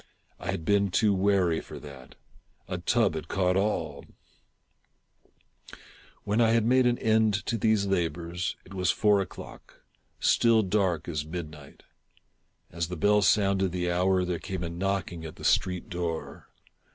I had been too wary for that. A tub had caught all — ha ! ha ! When I had made an end of these labors, it was four o'clock — still dark as midnight. As the bell sounded the hour, there came a knocking at the street door.